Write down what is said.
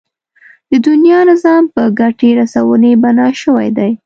د دنيا نظام په ګټې رسونې بنا شوی دی.